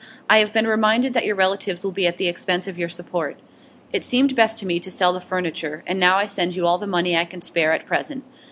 I have been reminded that your relatives will be at the expense of your support; it seemed best to me to sell the furniture, and now I send you all the money I can spare at present.